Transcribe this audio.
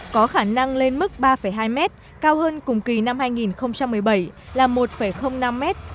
có khả năng lên mức ba hai mét cao hơn cùng kỳ năm hai nghìn một mươi bảy là một năm m